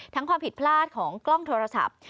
ความผิดพลาดของกล้องโทรศัพท์